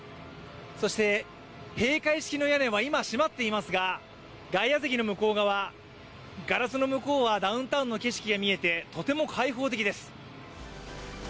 そして閉会式の屋根は今閉まっていますが外野席の向こう側、ガラスの向こうはダウンタウンの景色が見えてとても開放的です。